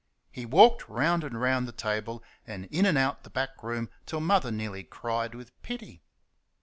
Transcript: He walked round and round the table and in and out the back room till Mother nearly cried with pity.